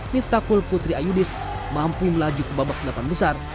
miftakul putri ayudis mampu melaju ke babak delapan besar